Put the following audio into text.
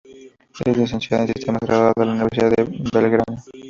Es licenciada en Sistemas graduada en la Universidad de Belgrano.